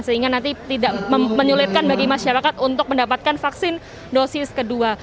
sehingga nanti tidak menyulitkan bagi masyarakat untuk mendapatkan vaksin dosis kedua